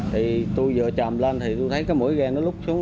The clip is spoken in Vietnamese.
thì tui vừa trồm lên thì tui thấy cái mũi ghe nó lút xuống